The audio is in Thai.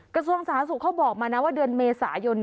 กระทรวงสาธารณสุขเขาบอกมานะว่าเดือนเมษายน